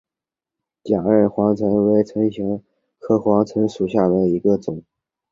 假韧黄芩为唇形科黄芩属下的一个种。